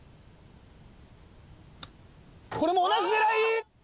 これも同じ狙い！